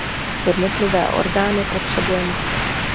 Jednotlivé orgány potřebujeme.